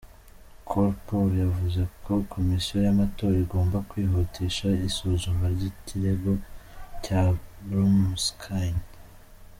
Korkpor yavuze ko Komisiyo y’Amatora igomba kwihutisha isuzuma ry’ikirego cya Brumskine.